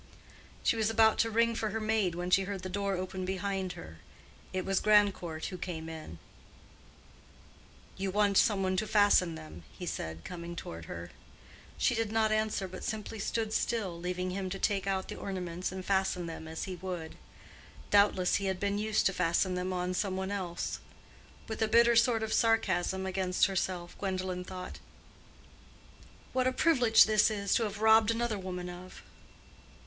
'" She was about to ring for her maid when she heard the door open behind her. It was Grandcourt who came in. "You want some one to fasten them," he said, coming toward her. She did not answer, but simply stood still, leaving him to take out the ornaments and fasten them as he would. Doubtless he had been used to fasten them on some one else. With a bitter sort of sarcasm against herself, Gwendolen thought, "What a privilege this is, to have robbed another woman of!"